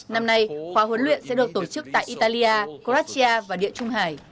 năm nay khóa huấn luyện sẽ được tổ chức tại italia croatia và địa trung hải